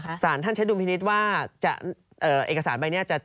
ไม่ใช่ไงครับท่านแจ้งดูนพินิษฐ์ว่าเอกสารใบรายังไง